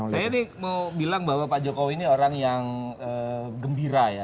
saya ini mau bilang bahwa pak jokowi ini orang yang gembira ya